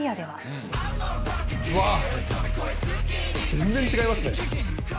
全然違いますね。